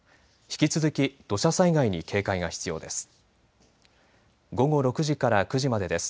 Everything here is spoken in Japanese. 引き続き土砂災害に警戒が必要です。